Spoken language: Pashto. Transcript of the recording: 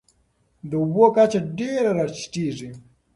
د اوبو کچه ډېره راټیټېږي.